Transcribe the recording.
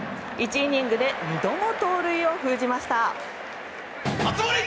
１イニングで２度も盗塁を封じました。